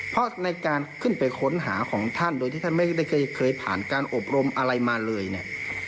เพราะในการขึ้นไปค้นหาของท่านโดยที่ท่านไม่ได้เคยผ่านการอบรมอะไรมาเลยเนี่ย